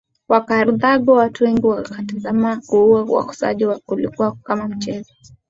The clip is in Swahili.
wa Karthago Watu wengi wakatazama Kuua wakosaji kulikuwa kama mchezo